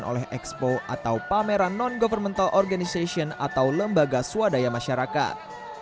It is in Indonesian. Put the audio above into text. pemerintah pemerintah di jawa tengah ini diperlihatkan oleh ekspo atau pameran non governmental organization atau lembaga swadaya masyarakat